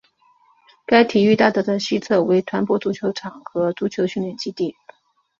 该体育大道的西侧为团泊足球场和足球训练基地。